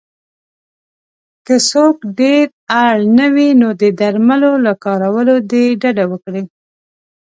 که څوک ډېر اړ نه وی نو د درملو له کارولو دې ډډه وکړی